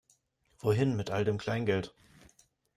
Wohin mit all dem Kleingeld?